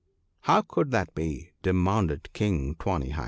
' How could that be ?' demanded King Tawny hide.